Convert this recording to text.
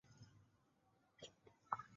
尼斯模型是一个太阳系动力演化理论。